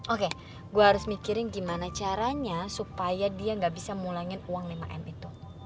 oke gue harus mikirin gimana caranya supaya dia nggak bisa mengulangi uang lima m itu